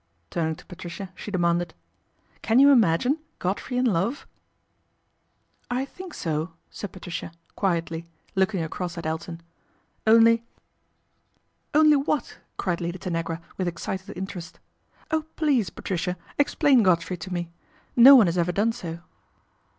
Turning to Patricia she demanded, Can you imagine Godfrey in love ?"' I think so," said Patricia quietly, looking :ross at Elton. " Only " 184 PATRICIA BRENT, SPINSTER "Only what?" cried Lady Tanagra excited interest. " Oh, please, Patricia, e Godfrey to me ! No one has ever done so."